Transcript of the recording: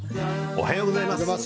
おはようございます。